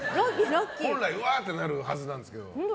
本来、うわあってなるはずなんですけど。